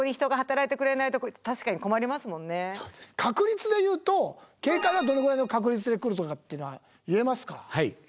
確率で言うと警戒はどのぐらいの確率で来るとかっていうのは言えますか？